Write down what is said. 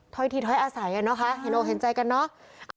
ถ้อยทีถ้อยอาศัยอ่ะเนอะคะเห็นไหมเห็นใจกันเนอะ